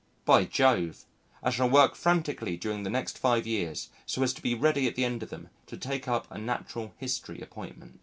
By Jove! I shall work frantically during the next five years so as to be ready at the end of them to take up a Natural History appointment.